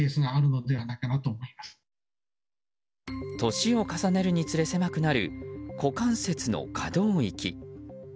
年を重ねるにつれ狭くなる股関節の可動域。